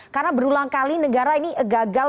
karena berulang kali negara ini gagal